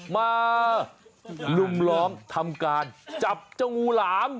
มาลุมล้อมทำการจับเจ้างูหลาม